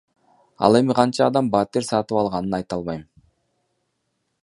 Ал эми канча адам батир сатып алганын айта албайм.